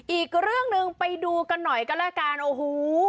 อีกเรื่องหนึ่งไปดูกันหน่อยก็แล้วกันโอ้โห